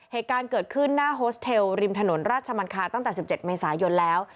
เหตุการณ์เกิดขึ้นหน้าโฮสเทลริมถนนราชมันคาตั้งแต่๑๗เมษายนแล้ว